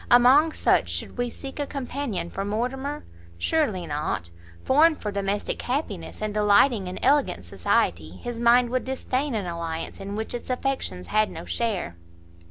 Among such should we seek a companion for Mortimer? surely not. Formed for domestic happiness, and delighting in elegant society, his mind would disdain an alliance in which its affections had no share."